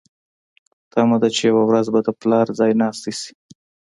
تمه ده چې یوه ورځ به د پلار ځایناستې شي.